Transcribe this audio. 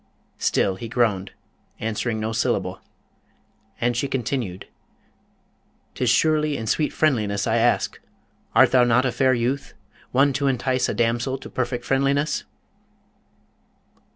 Still he groaned, answering no syllable. And she continued, ''Tis surely in sweet friendliness I ask. Art thou not a fair youth, one to entice a damsel to perfect friendliness?'